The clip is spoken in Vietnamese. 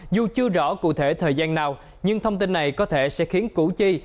dù chưa rõ cụ thể thời gian nào nhưng thông tin này có thể sẽ khiến củ chi